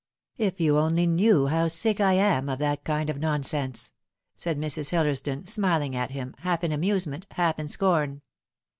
"If you only knew how sick I am of that kind of nonsense !" said Mrs. Hillersdon, smiling at him, half in amusement, half in scorn.